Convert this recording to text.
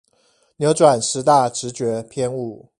扭轉十大直覺偏誤